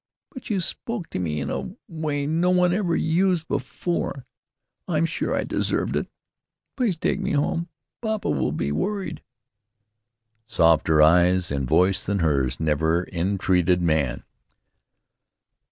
But you spoke to me in in a way no one ever used before. I'm sure I deserved it. Please take me home. Papa will be worried." Softer eyes and voice than hers never entreated man.